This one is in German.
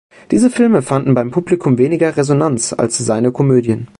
Diese Filme fanden beim Publikum weniger Resonanz als seine Komödien.